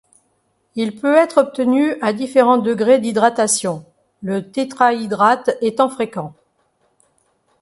Il peut être obtenu à différents degrés d'hydratation, le tétrahydrate étant fréquent.